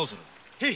へい！